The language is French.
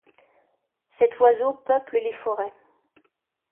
Cet oiseau peuple les forêts.